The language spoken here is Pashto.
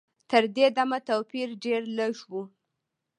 تر دې دمه توپیر ډېر لږ و.